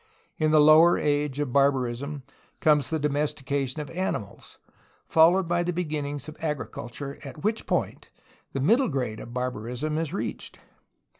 In the lower age of barbarism comes the domestication of animals, followed by the beginnings of agriculture, at which point the middle grade of barbarism is reached.